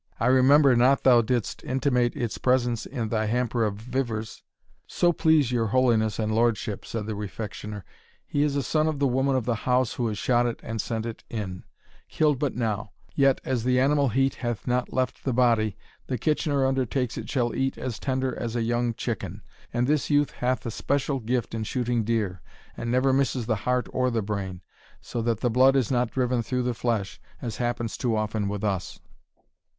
I remember not thou didst intimate its presence in thy hamper of vivers." "So please your holiness and lordship," said the Refectioner, "he is a son of the woman of the house who has shot it and sent it in killed but now; yet, as the animal heat hath not left the body, the Kitchener undertakes it shall eat as tender as a young chicken and this youth hath a special gift in shooting deer, and never misses the heart or the brain; so that the blood is not driven through the flesh, as happens too often with us.